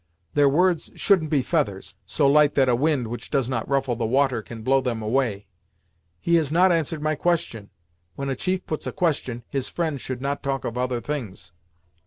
Their words shouldn't be feathers, so light that a wind which does not ruffle the water can blow them away. He has not answered my question; when a chief puts a question, his friend should not talk of other things."